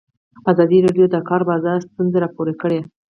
ازادي راډیو د د کار بازار ستونزې راپور کړي.